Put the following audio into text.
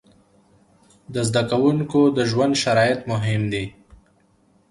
د زده کوونکو د ژوند شرایط مهم دي.